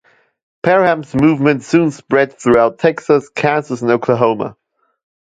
Parham's movement soon spread throughout Texas, Kansas, and Oklahoma.